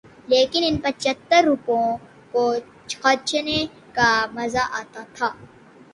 لیکن ان پچھتر روپوں کو خرچنے کا مزہ آتا تھا۔